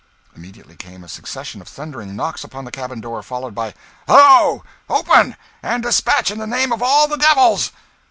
Immediately came a succession of thundering knocks upon the cabin door, followed by "Hullo o o! Open! And despatch, in the name of all the devils!"